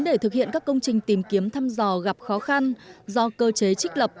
để thực hiện các công trình tìm kiếm thăm dò gặp khó khăn do cơ chế trích lập